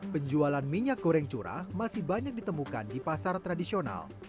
penjualan minyak goreng curah masih banyak ditemukan di pasar tradisional